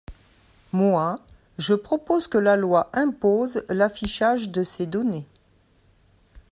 Moi, je propose que la loi impose l’affichage de ces données.